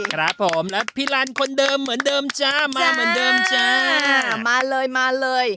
ครับผมและพี่ลันคนเดิมเหมือนเดิมจ้ามาเหมือนเดิมจ้ามาเลยมาเลย